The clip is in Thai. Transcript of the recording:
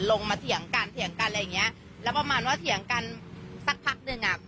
แล้วประมาณว่าเถียงกันสักพักนึง